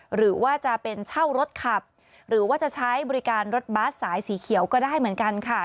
หรือว่าจะเป็นเช่ารถขับหรือว่าจะใช้บริการรถบัสสายสีเขียวก็ได้เหมือนกันค่ะ